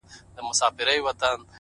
پرمختګ د دوام غوښتنه کوي!